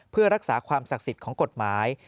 เพื่อรักษาความศักดิ์สิทธิ์ของกฎหมาย